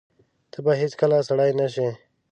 ته به هیڅکله سړی نه شې !